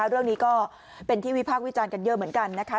เรื่องนี้ก็เป็นที่วิพากษ์วิจารณ์กันเยอะเหมือนกันนะคะ